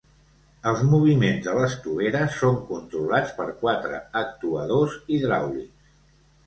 Els moviments de les toveres són controlats per quatre actuadors hidràulics.